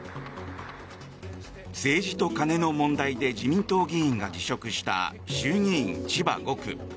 政治と金の問題で自民党議員が辞職した衆議院千葉５区。